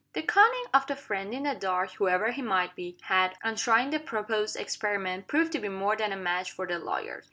The cunning of the "Friend in the Dark" (whoever he might be) had, on trying the proposed experiment, proved to be more than a match for the lawyers.